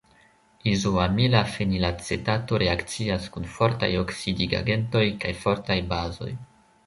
Izoamila fenilacetato reakcias kun fortaj oksidigagentoj kaj fortaj bazoj.